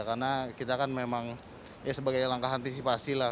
karena kita kan memang ya sebagai langkah antisipasi lah